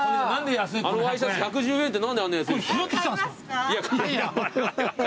あのワイシャツ１１０円って何であんな安いんすかね？